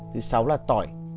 thứ sáu là tỏi